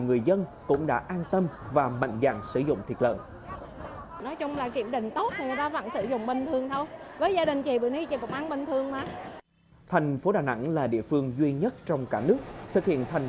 người ta sử dụng thịt lợn thành phố đà nẵng là địa phương duy nhất trong cả nước thực hiện thành